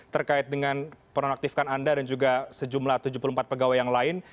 terkait dengan penonaktifkan anda dan juga sejumlah tujuh puluh empat pegawai yang lain